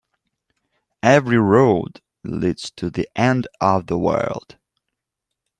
Every road leads to the end of the world.